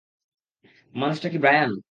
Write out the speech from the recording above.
মানুষটা কি ব্রায়ান?